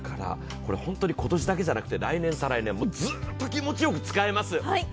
本当に今年だけじゃなくて、来年、再来年、ずっと気持ちよく使えます。